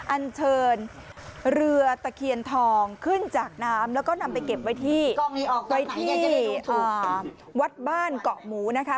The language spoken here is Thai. อันเชิญเรือตะเคียนทองขึ้นจากน้ำแล้วก็นำไปเก็บไว้ที่ไว้ที่วัดบ้านเกาะหมูนะคะ